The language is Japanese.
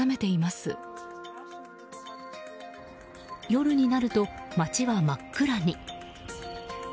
夜になると街は真っ暗に。